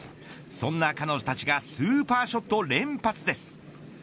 そんな彼女たちがスーパーショット連発です。